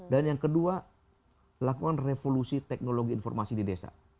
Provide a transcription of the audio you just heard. dan yang kedua lakukan revolusi teknologi informasi di desa